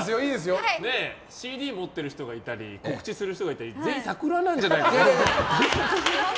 ＣＤ持ってる人がいたり告知する人がいたり全員サクラなんじゃないかって。